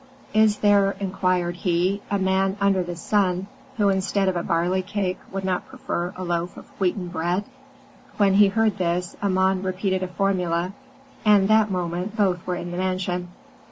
"'Is there,' inquired he, 'a man under the sun who instead of a barley cake would not prefer a loaf of wheaten bread?' "When he heard this, Amon repeated a formula, and that moment both were in the mansion.